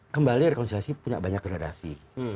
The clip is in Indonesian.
kembali rekonsiliasi punya banyak gradasi